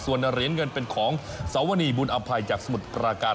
ส่วนเหรียญเงินเป็นของสวนีบุญอภัยจากสมุทรปราการ